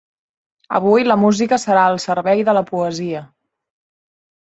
Avui la música serà al servei de la poesia.